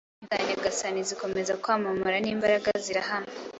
Bityo inkuru za Nyagasani zikomeza kwamamara n’imbaraga, zirahama